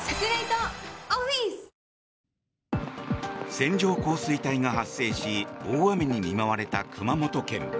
線状降水帯が発生し大雨に見舞われた熊本県。